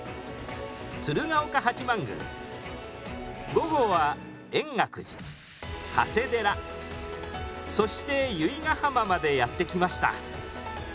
鶴岡八幡宮午後は円覚寺長谷寺そして由比ヶ浜までやって来ました。